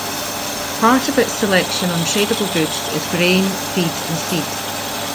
Part of its selection on tradable goods is grain, feed, and seed.